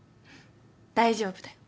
大丈夫だよ。